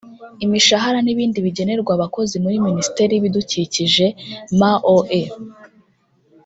imishahara n’ibindi bigenerwa Abakozi muri Minisiteri y’Ibidukikije (MoE);